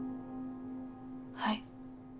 はい。